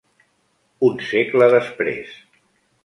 Un segle després.